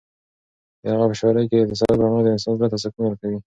د هغه په شاعرۍ کې د تصوف رڼا د انسان زړه ته سکون ورکوي.